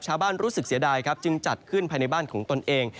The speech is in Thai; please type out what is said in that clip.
ชาบ้านรู้สึกเสียดายจึงจัดขึ้นไปในบ้านของตนเอง